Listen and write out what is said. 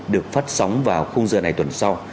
được phát sóng vào khung giờ này tuần sau